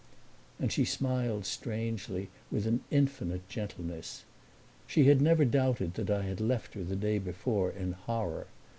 And she smiled strangely, with an infinite gentleness. She had never doubted that I had left her the day before in horror.